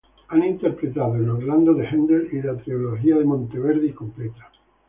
Han interpretado Orlando de Haendel y la trilogía de Monteverdi completa.